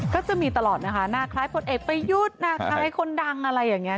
ก็จะมีตลอดนะคะหน้าคล้ายพลเอกประยุทธ์หน้าคล้ายคนดังอะไรอย่างนี้